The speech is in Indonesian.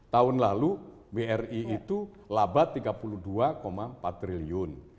tahun lalu bri itu laba rp tiga puluh dua empat triliun